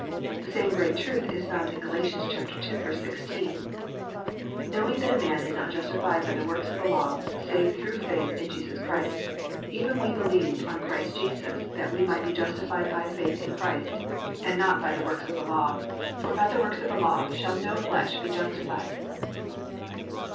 The same great truth is found in Gal. 2:16: +"Knowing that a man is not justified by the works of the law, save through faith in Jesus Christ, even we believed on Christ Jesus, that we might be justified by faith in Christ, and not by the works of the law: for by the works of the law shall no flesh be justified."